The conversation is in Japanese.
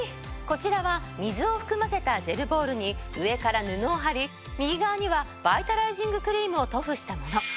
こちらは水を含ませたジェルボールに上から布を貼り右側にはバイタライジングクリームを塗布したもの。